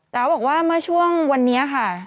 ตาบอกว่ามาช่วงวันนี้ค่ะ